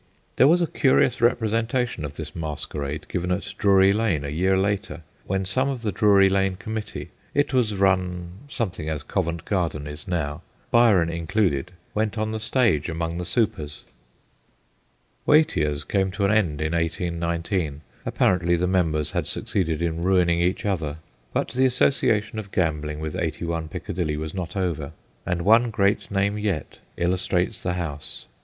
There was a curious representation of this masquerade given at Drury Lane a year later, when some of the Drury Lane Com mittee it was run something as Covent Garden is now Byron included, went on the stage among the supers. Watier's came to an end in 1819 ; apparently the members had succeeded in ruining each other. But the association of gambling with 81 Piccadilly was not over, and one great name yet illustrates the house.